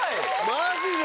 マジで？